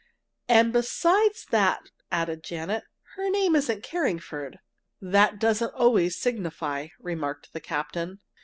"And besides that," added Janet, "her name isn't Carringford!" "That doesn't always signify," remarked the captain.